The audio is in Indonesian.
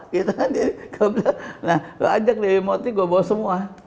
gitu kan nah lo ajak di emotik gue bawa semua